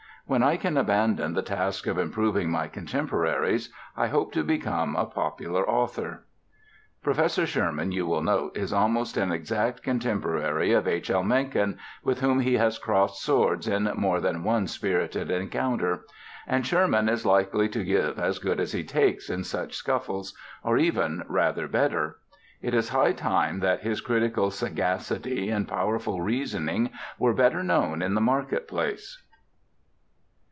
When I can abandon the task of improving my contemporaries, I hope to become a popular author." Professor Sherman, you will note, is almost an exact contemporary of H. L. Mencken, with whom he has crossed swords in more than one spirited encounter; and Sherman is likely to give as good as he takes in such scuffles, or even rather better. It is high time that his critical sagacity and powerful reasoning were better known in the market place.